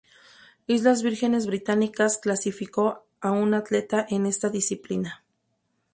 Islas Vírgenes Británicas clasificó a un atleta en esta disciplina.